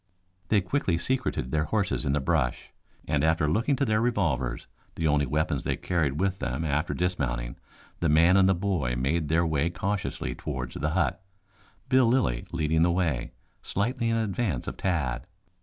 They quickly secreted their horses in the brush, and after looking to their revolvers, the only weapons they carried with them after dismounting, the man and the boy made their way cautiously towards the hut, Bill Lilly leading the way, slightly in advance of Tad.